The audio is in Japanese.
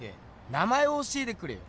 名前を教えてくれよ。